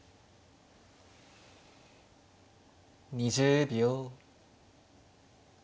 ２０秒。